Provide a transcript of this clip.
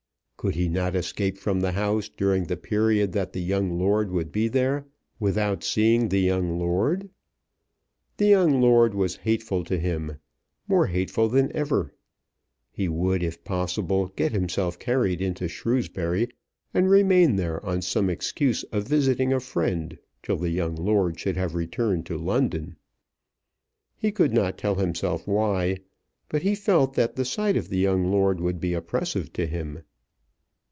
Could he not escape from the house during the period that the young lord would be there, without seeing the young lord? The young lord was hateful to him more hateful than ever. He would, if possible, get himself carried into Shrewsbury, and remain there on some excuse of visiting a friend till the young lord should have returned to London. He could not tell himself why, but he felt that the sight of the young lord would be oppressive to him.